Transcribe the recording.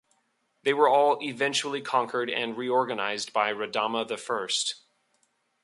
They were all eventually conquered and reorganized by Radama the First.